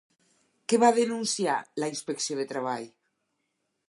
Què va denunciar la Inspecció de Treball?